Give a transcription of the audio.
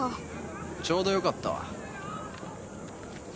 ちょうどよかったわ。